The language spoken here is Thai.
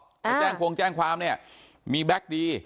ไปแจ้งคงแจ้งความเนี่ยมีแบ็คดี